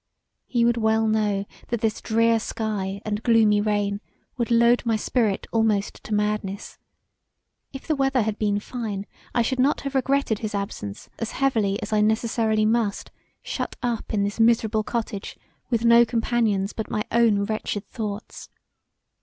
He would well know that this drear sky and gloomy rain would load my spirit almost to madness: if the weather had been fine I should not have regretted his absence as heavily as I necessarily must shut up in this miserable cottage with no companions but my own wretched thoughts.